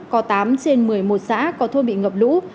có tám trên một mươi một xã có thôn bị ngập lũ